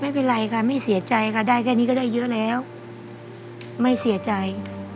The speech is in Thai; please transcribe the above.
ไม่เป็นไรค่ะไม่เสียใจค่ะได้แค่นี้ก็ได้เยอะแล้วไม่เสียใจ